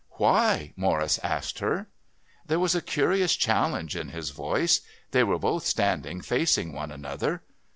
"Why?" Morris asked her. There was a curious challenge in his voice. They were both standing facing one another.